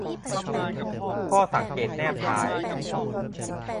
ข้อสังเกตแนบท้าย